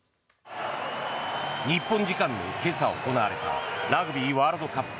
日本時間の今朝行われたラグビーワールドカップ